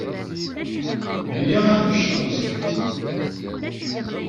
Iyya ad nečč tamẓiḍt.